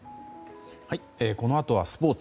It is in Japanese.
このあとはスポーツ。